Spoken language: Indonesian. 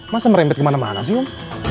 masa merembet kemana mana sih om